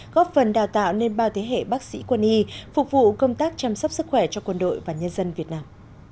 góp phần đào tạo nên bao thế hệ bác sĩ quân y phục vụ công tác chăm sóc sức khỏe cho quân đội và nhân dân việt nam